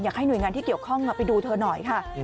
อยากให้หน่วยงานที่เกี่ยวข้องไปดูเธอหน่อยค่ะ